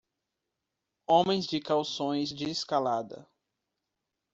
Homens de calções de escalada.